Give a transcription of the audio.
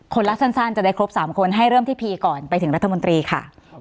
รักสั้นจะได้ครบ๓คนให้เริ่มที่พีก่อนไปถึงรัฐมนตรีค่ะ